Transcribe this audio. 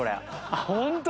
あっホント？